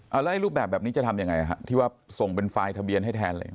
แล้วรูปแบบนี้จะทำยังไงฮะที่ว่าส่งเป็นไฟล์ทะเบียนให้แทนเลย